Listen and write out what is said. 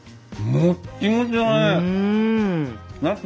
もっちもちだね！